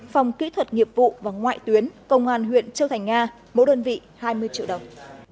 phòng kỹ thuật nghiệp vụ và ngoại tuyến công an huyện châu thành nga mỗi đơn vị hai mươi triệu đồng